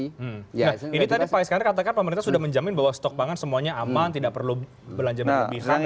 nah ini tadi pak iskandar katakan pemerintah sudah menjamin bahwa stok pangan semuanya aman tidak perlu belanja berlebihan